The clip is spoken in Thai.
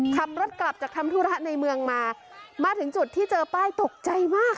ขับรถกลับจากทำธุระในเมืองมามาถึงจุดที่เจอป้ายตกใจมากค่ะ